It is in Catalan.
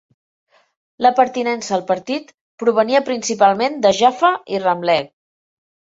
La pertinença al partit provenia principalment de Jaffa i Ramleh.